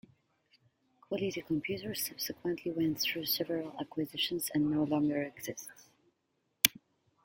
Quality Computers subsequently went through several acquisitions and no longer exists.